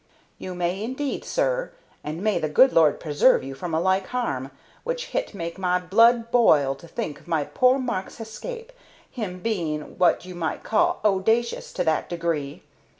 "You may indeed, sir, and may the good Lord preserve you from a like harm, which hit make my blood boil to think of my pore Mark's hescape, him being what you might call owdacious to that degree.